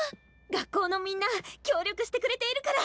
学校のみんな協力してくれているから！